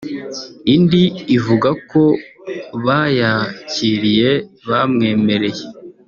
indi ivuga ko bayakiriye bamwemereye